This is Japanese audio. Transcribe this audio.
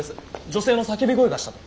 女性の叫び声がしたと。